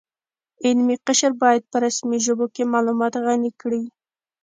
علمي قشر باید په رسمي ژبو کې معلومات غني کړي